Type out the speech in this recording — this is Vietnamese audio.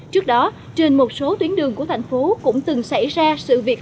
trước đó trên một số tuyến đường của thành phố cũng từng xảy ra sự việc